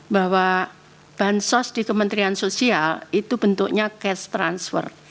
bahwa bansos di kementerian sosial itu bentuknya cash transfer